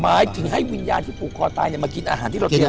หมายถึงให้วิญญาณที่ผูกคอตายมากินอาหารที่เราเตรียม